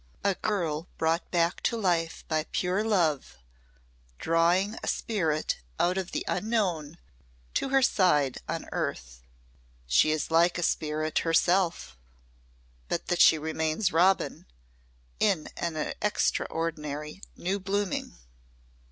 A girl brought back to life by pure love, drawing a spirit out of the unknown to her side on earth." "She is like a spirit herself but that she remains Robin in an extraordinary new blooming."